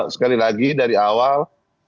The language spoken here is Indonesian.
sekali lagi dari awal